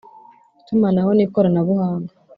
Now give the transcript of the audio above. Itumanaho n’ikoranabuhanga